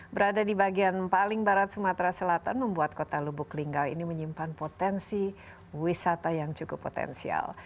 berada di bagian paling barat sumatera selatan membuat kota lubuk linggau ini menyimpan potensi wisata yang cukup potensial